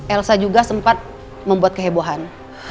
elsa juga sempat membuat kehebohan